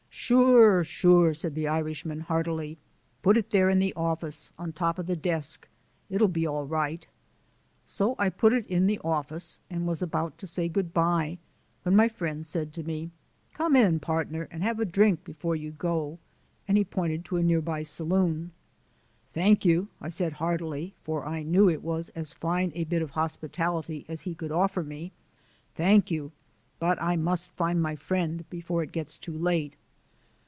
"Sure, sure," said the Irishman heartily. "Put it there in the office on top o' the desk. It'll be all right." So I put it in the office and was about to say good bye, when my friend said to me: "Come in, partner, and have a drink before you go" and he pointed to a nearby saloon. "Thank you," I answered heartily, for I knew it was as fine a bit of hospitality as he could offer me, "thank you, but I must find my friend before it gets too late."